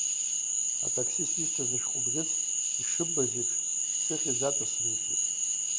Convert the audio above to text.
Атақсист исҭаз ашәҟәыбӷьыц, ишыббаз еиԥш, сыхьӡ аҵасмыҩӡеит.